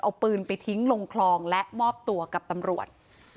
เอาปืนไปทิ้งลงคลองและมอบตัวกับตำรวจ